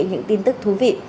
những tin tức thú vị